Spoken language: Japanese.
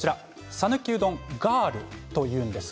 さぬきうどんガールというんです。